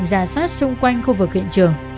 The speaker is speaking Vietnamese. và tìm ra sát xung quanh khu vực hiện trường